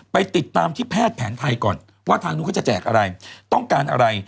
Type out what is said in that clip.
ไปติดตามที่แพทย์แผนไทยก่อนว่าทางนู้นเขาจะแจกอะไรต้องการอะไร